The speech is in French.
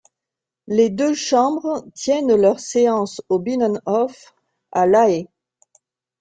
Les deux chambres tiennent leurs séances au Binnenhof, à La Haye.